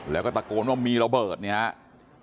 แล้วก็ตะโกนว่ามีระเบิดเนี่ยครับ